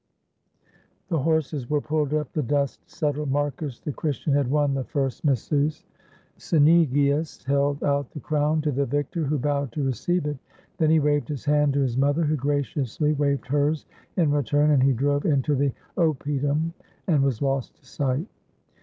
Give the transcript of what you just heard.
The horses were pulled up, the dust settled; Marcus, the Christian, had won the first missus. Cynegius held out the crown to the victor, who bowed to receive it. Then he waved his hand to his mother, who graciously waved hers in return, and he drove into the oppidum and was lost to sight.